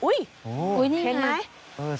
อุ๊ยเห็นไหมอุ๊ยนี่ไง